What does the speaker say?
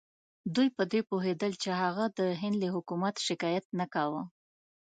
دوی په دې پوهېدل چې هغه د هند له حکومت شکایت نه کاوه.